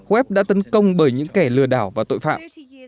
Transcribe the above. web đã tấn công bởi những kẻ lừa đảo và tội phạm